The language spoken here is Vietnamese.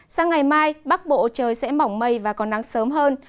sang ngày mai bắc bộ trời sẽ mỏng mây và còn nắng sớm hơn